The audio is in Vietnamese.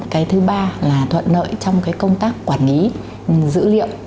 cái thứ ba là thuận lợi trong cái công tác quản lý dữ liệu